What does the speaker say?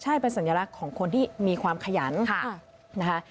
ใช่เป็นสัญลักษณ์ของคนที่มีความขยันนะคะ